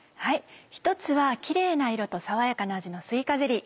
１つはキレイな色と爽やかな味の「すいかゼリー」。